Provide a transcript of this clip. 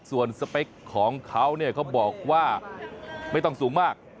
ส่วนสเปคของเขาเนี่ยเขาบอกว่าไม่ต้องสูงมาก